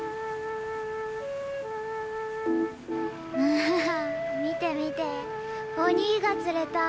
アハハ見て見てお兄が釣れた。